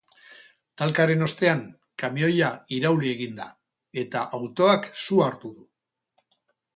Talkaren ostean, kamioia irauli egin da, eta autoak su hartu du.